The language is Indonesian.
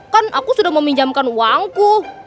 kan aku sudah meminjamkan uangku